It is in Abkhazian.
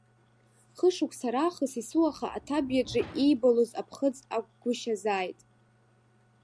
Хышықәса раахыс есуаха аҭабиаҿы иибалоз аԥхыӡ акәгәышьазааит.